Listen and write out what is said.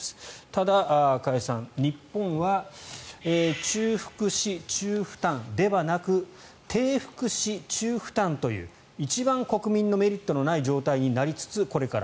ただ、加谷さん日本は中福祉・中負担ではなく低福祉・中負担という一番国民のメリットのない状態にこれからなりつつある。